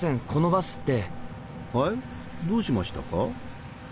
はいどうしましたか？